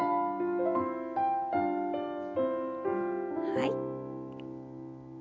はい。